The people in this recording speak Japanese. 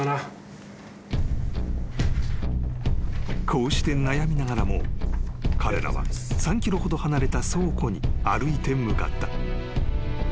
［こうして悩みながらも彼らは３ｋｍほど離れた倉庫に歩いて向かった］